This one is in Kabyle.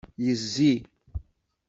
Yezzi.